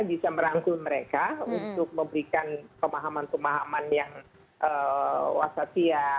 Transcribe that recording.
bisa merangkul mereka untuk memberikan pemahaman pemahaman yang wasatiyah